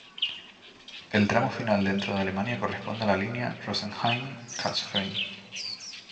El tramo final dentro de Alemania corresponde a la línea "Rosenheim-Kufstein".